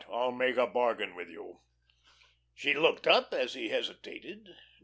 I'll make a bargain with you." She looked up as he hesitated.